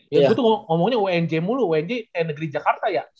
ya gue tuh ngomongnya unj mulu unj eh negeri jakarta ya